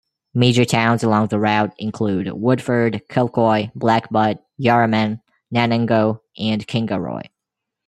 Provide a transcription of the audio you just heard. Major towns along the route include Woodford, Kilcoy, Blackbutt, Yarraman, Nanango and Kingaroy.